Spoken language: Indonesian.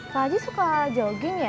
pak haji suka jogging ya